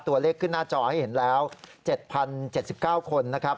ตัวเลขขึ้นหน้าจอให้เห็นแล้ว๗๐๗๙คนนะครับ